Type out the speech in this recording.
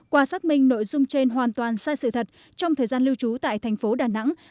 qua xác minh nội dung trên hoàn toàn sai sự thật trong thời gian lưu trú tại thành phố đà nẵng